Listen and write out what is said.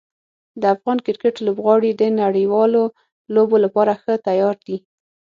د افغان کرکټ لوبغاړي د نړیوالو لوبو لپاره ښه تیار دي.